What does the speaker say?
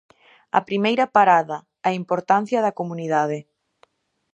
A primeira parada: a importancia da comunidade.